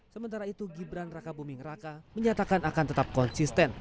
sementara itu gibran raka buming raka menyatakan akan tetap konsisten